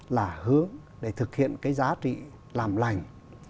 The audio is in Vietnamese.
là hướng để thực hiện cái giá trị làm lành